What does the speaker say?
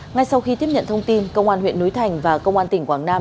ngay sau khi tiếp nhận thông tin công an huyện núi thành và công an tỉnh quảng nam